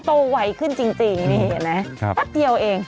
โตไวขึ้นจริงนี่เห็นไหม